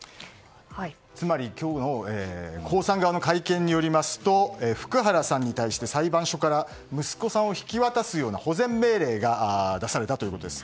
つまり、今日の江さん側の会見によりますと福原さんに対して裁判所から息子さんを引き渡すような保全命令が出されたということです。